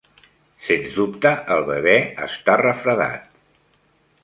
Sens dubte, el bebè està refredat.